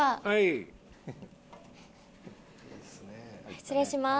失礼します。